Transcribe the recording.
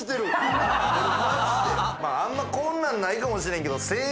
あんまこんなんないかもしれんけど。